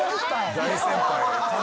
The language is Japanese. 大先輩！